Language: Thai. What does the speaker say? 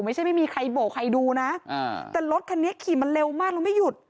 ไม่ใช่ไม่มีใครโบกใครดูนะแต่รถคันนี้ขี่มาเร็วมากแล้วไม่หยุด